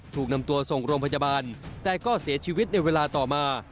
ถูกนำตัวส่งโรงพยาบาลแต่ก็เสียชีวิตในเวลาต่อมา